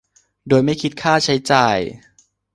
โดยไม่คิดค่าใช้จ่าย